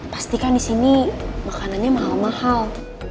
pastikan disini makanannya mahal mahal